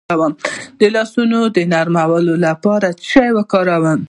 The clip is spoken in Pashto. د لاسونو د نرموالي لپاره څه شی وکاروم؟